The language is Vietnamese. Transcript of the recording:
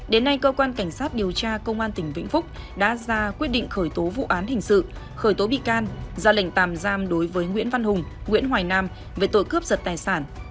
đến nay cơ quan cảnh sát điều tra công an tỉnh vĩnh phúc đã ra quyết định khởi tố vụ án hình sự khởi tố bị can ra lệnh tạm giam đối với nguyễn văn hùng nguyễn hoài nam về tội cướp giật tài sản